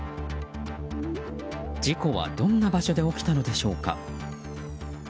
事故は、どんな場所で起きたのでしょうか。